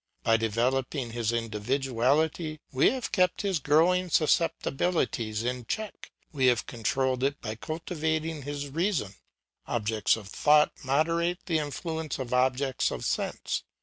By developing his individuality, we have kept his growing susceptibilities in check; we have controlled it by cultivating his reason. Objects of thought moderate the influence of objects of sense.